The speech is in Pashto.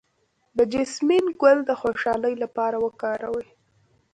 د جیسمین ګل د خوشحالۍ لپاره وکاروئ